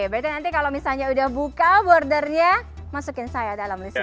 berarti nanti kalau misalnya udah buka bordernya masukin saya dalam listrik